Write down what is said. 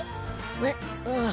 えっああ